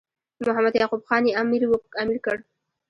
محمد یعقوب خان یې امیر کړ.